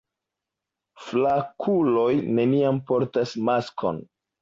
Flankuloj neniam portas maskon.